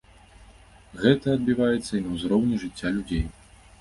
Гэта адбіваецца і на ўзроўні жыцця людзей.